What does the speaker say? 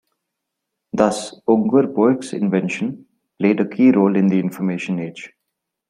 Thus Ungerboeck's invention played a key role in the Information Age.